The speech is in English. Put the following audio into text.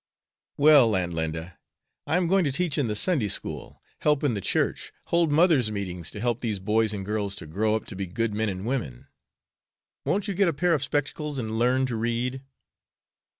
"Well, Aunt Linda, I am going to teach in the Sunday school, help in the church, hold mothers' meetings to help these boys and girls to grow up to be good men and women. Won't you get a pair of spectacles and learn to read?"